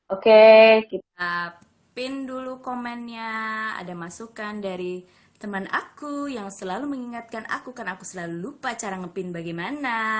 oke kita pin dulu komennya ada masukan dari teman aku yang selalu mengingatkan aku kan aku selalu lupa cara nge pin bagaimana